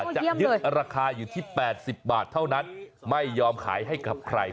จะยึดราคาอยู่ที่๘๐บาทเท่านั้นไม่ยอมขายให้กับใคร